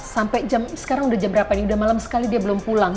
sampai jam sekarang udah jam berapa nih udah malam sekali dia belum pulang